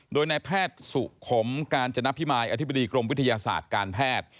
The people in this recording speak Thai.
โดยนายแพทย์สุขมกาญจนพิมายอธิบดีกรมวิทยาศาสตร์การแพทย์